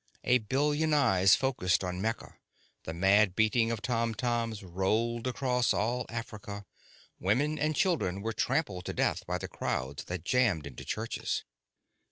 A billion eyes focused on Mecca, the mad beating of tom toms rolled across all Africa, women and children were trampled to death by the crowds that jammed into churches.